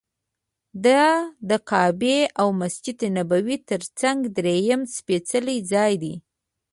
دا د کعبې او مسجد نبوي تر څنګ درېیم سپېڅلی ځای دی.